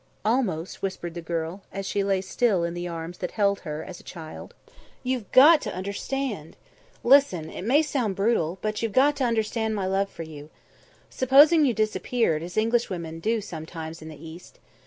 "Almost," whispered the girl, as she lay still in the arms that held her as a child. "You've got to understand. Listen! It may sound brutal, but you've got to understand my love for you. Supposing you disappeared, as Englishwomen do sometimes in the East.